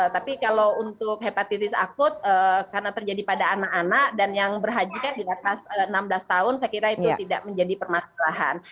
tapi kalau untuk hepatitis akut karena terjadi pada anak anak dan yang berhaji kan di atas enam belas tahun saya kira itu tidak menjadi permasalahan